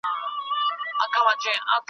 دا هيواد به آزاديږي .